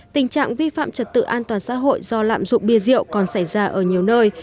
tình trạng vi phạm trật tự an toàn xã hội do lạm dụng bia rượu còn xảy ra ở nhiều nơi